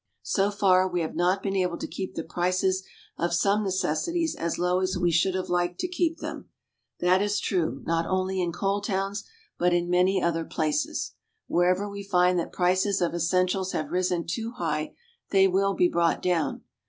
So far, we have not been able to keep the prices of some necessities as low as we should have liked to keep them. That is true not only in coal towns but in many other places. Wherever we find that prices of essentials have risen too high, they will be brought down.